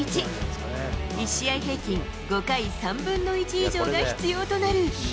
１試合平均５回３分の１以上が必要となる。